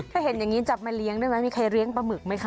ถ้าเห็นอย่างนี้จับมาเลี้ยงได้ไหมมีใครเลี้ยงปลาหมึกไหมคะ